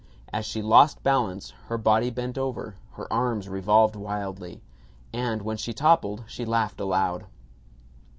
As she lost balance her body bent over, her arms revolved wildly, and when she toppled she laughed aloud.